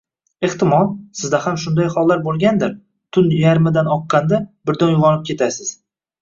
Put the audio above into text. Ehtimol, sizda ham shunday hollar bo‘lgandir: tun yarmidan oqqanda birdan uyg‘onib ketasiz.